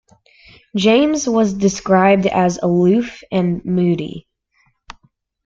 James was described as aloof and moody.